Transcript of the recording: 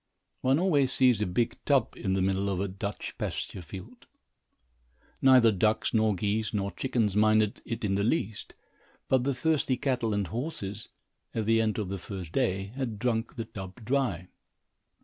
One always sees a big tub in the middle of a Dutch pasture field. Neither ducks, nor geese, nor chickens minded it in the least, but the thirsty cattle and horses, at the end of the first day, had drunk the tub dry.